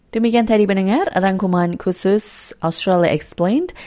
demikian tadi pendengar rangkuman khusus australia explained